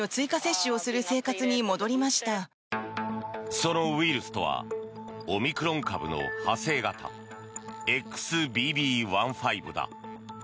そのウイルスとはオミクロン株の派生型ＸＢＢ．１．５だ。